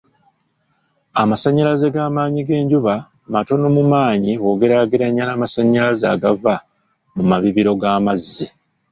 Amasannyalaze g'amaanyi g'enjuba matono mu maanyi bwogeraagerannya n'amasannyalaze agava mu mabibiro g'amazzi.